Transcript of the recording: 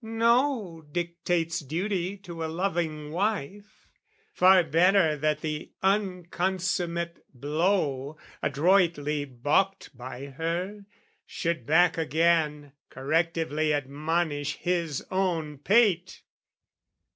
No, dictates duty to a loving wife. Far better that the unconsummate blow, Adroitly baulked by her, should back again, Correctively admonish his own pate!